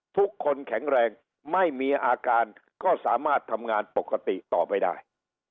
ทุกคนแข็งแรงไม่มีอาการก็สามารถทำงานปกติต่อไปได้